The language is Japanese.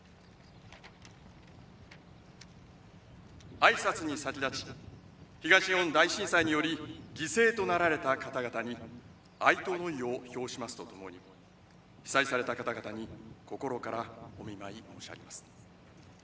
挨拶に先立ち東日本大震災により犠牲となられた方々に哀悼の意を表しますとともに被災された方々に心からお見舞い申し上げます。